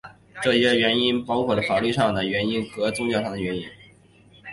这些原因包括了法律上的原因或宗教上的原因。